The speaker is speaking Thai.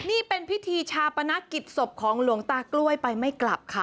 นี่เป็นพิธีชาปนกิจศพของหลวงตากล้วยไปไม่กลับค่ะ